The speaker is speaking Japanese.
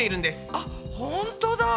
あっほんとだ。